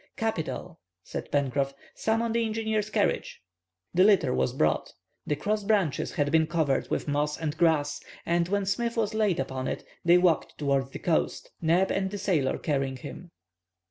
"Capital," said Pencroff. "Summon the engineer's carriage!" The litter was brought. The cross branches had been covered with moss and grass; and when Smith was laid upon it they walked towards the coast, Neb and the sailor carrying him.